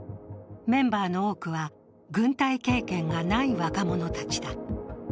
メンバーの多くは軍隊経験がない若者たちだ。